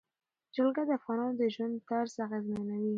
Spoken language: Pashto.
جلګه د افغانانو د ژوند طرز اغېزمنوي.